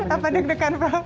apa deg degan prof